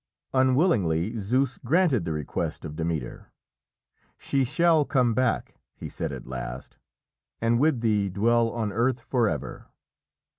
Unwillingly Zeus granted the request of Demeter. "She shall come back," he said at last, "and with thee dwell on earth forever.